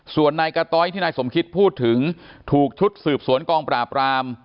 ส่วนนายกะต้อยที่นายสมคิดพูดถึงถูกชุดสืบสวนกองปราบราม